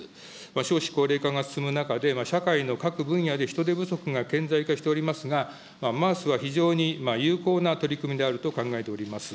少子高齢化が進む中で、社会の各分野で人手不足が顕在化しておりますが、ＭａａＳは非常に有効な取り組みであると考えております。